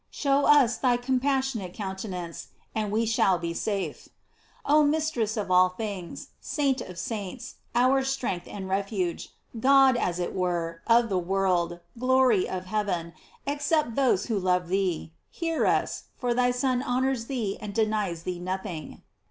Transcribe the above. Show us thy compassionate countenance, and we shall be eafe.* Oh mistress of all things, saint of saints, our strength and refuge, God, as it were, of the world, glory of heaven, accept those who love thee ; hear us, for thy Son honors thee and de nies thee nothing..